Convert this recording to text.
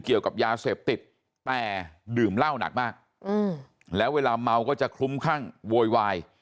เกี่ยวกับยาเสพติดแต่ดื่มเหล้าหนักมากแล้วเวลาเมาก็จะคลุ้มคั่งโวยวาย